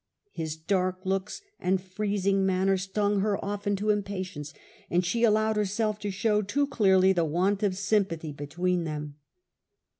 His dark looks and freezing manner stung her often to impatience, and she allowed herself to show too clearly the want of sympathy between them.